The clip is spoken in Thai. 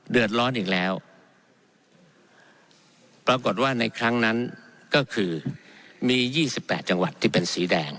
เดือดร้อนอีกแล้วปรากฏว่าในครั้งนั้นก็คือมียี่สิบแปดจังหวัดที่เป็นสีแดง